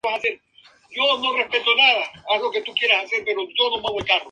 Scott Foley se estableció para servir como productor.